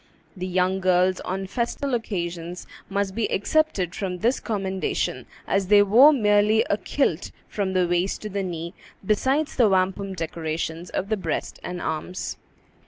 The young girls on festal occasions must be excepted from this commendation, as they wore merely a kilt from the waist to the knee, besides the wampum decorations of the breast and arms.